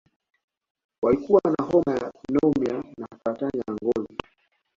Walikuwa na homa ya pneumonia na saratani ya ngozi